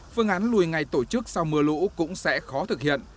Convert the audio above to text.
phương án lùi ngày tổ chức sau mưa lũ cũng sẽ khó thực hiện